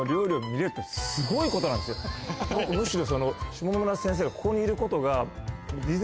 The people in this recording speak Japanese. むしろ。